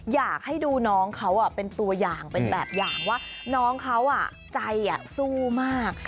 อยากให้ดูน้องเขาเป็นตัวอย่างเป็นแบบอย่างว่าน้องเขาใจสู้มาก